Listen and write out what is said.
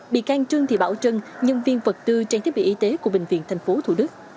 bị can trương thị bảo trân nhân viên vật tư trang thiết bị y tế của bệnh viện tp thủ đức